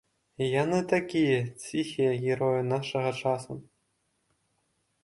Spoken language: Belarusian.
Яны такія, ціхія героі нашага часу.